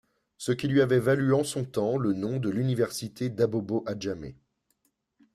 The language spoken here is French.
Ce qui lui avait valu en son temps le nom de l'Université d'Abobo Adjamé.